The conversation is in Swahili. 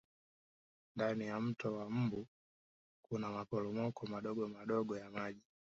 ndani ya mto wa mbu Kuna maporomoko madogomadogo ya maji